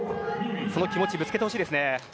その気持ちをぶつけてほしいですね。